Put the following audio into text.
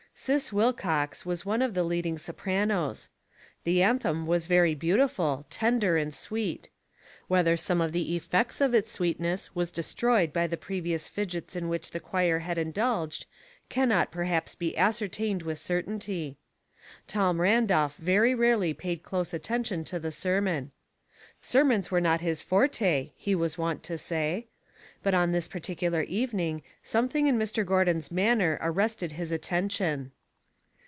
Sis Wilcox was one of the leading sopranos. The anthem was very beautiful, tender, and Bweet. Whether some of the effect of its sweet ness was destroyed by the previous fidgets in which the choir had indulged can not perhaps be ascertained with certainty. Tom Randolph very rarely paid close attention to the sermon. Sermons were not his forte," he was wont to say ; but on this particular evening something in Mr. Gordon's manner arrested his attention.